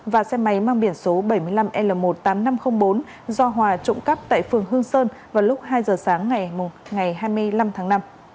và xe máy mang biển số bảy mươi năm l một mươi tám nghìn năm trăm linh bốn do hòa trộm cắp tại phường hương sơn vào lúc hai giờ sáng ngày hai mươi năm tháng năm